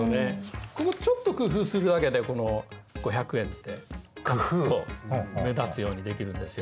ここちょっと工夫するだけでこの「５００円」ってガクッと目立つようにできるんですよ。